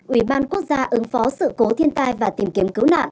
ubnd quốc gia ứng phó sự cố thiên tai và tìm kiếm cứu nạn